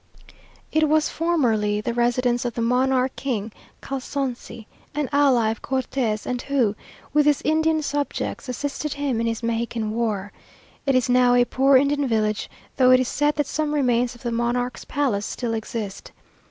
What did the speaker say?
It was formerly the residence of the monarch, King Calsonsi, an ally of Cortes, and who, with his Indian subjects, assisted him in his Mexican war. It is now a poor Indian village, though it is said that some remains of the monarch's palace still exist.